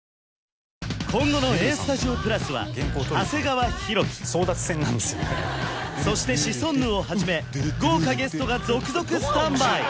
今後の「ＡＳＴＵＤＩＯ＋」は長谷川博己そしてシソンヌをはじめ豪華ゲストが続々スタンバイ！